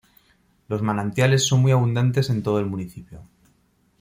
Los manantiales son muy abundantes en todo el municipio.